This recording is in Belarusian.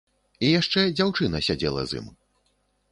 І яшчэ дзяўчына сядзела з ім.